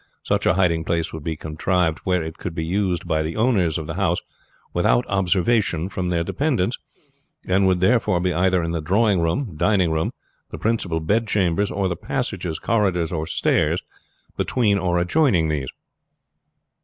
Such a hiding place would be contrived where it could be used by the owners of the house without observation from their dependants, and would therefore be either in the drawing room, dining room, the principal bed chambers, or the passages, corridors, or stairs between or adjoining these."